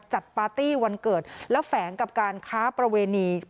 ปาร์ตี้วันเกิดแล้วแฝงกับการค้าประเวณี